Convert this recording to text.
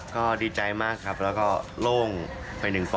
ก็ดีใจมากครับแล้วก็โล่งเป็นหนึ่งฝ่อ